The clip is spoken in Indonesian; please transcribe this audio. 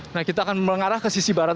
nah kita akan mengarah ke sisi barat